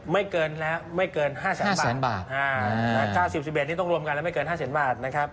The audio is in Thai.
ไม่เกินแล้วไม่เกิน๕แสนบาท๙๐๑๑นี่ต้องรวมกันแล้วไม่เกิน๕แสนบาทนะครับ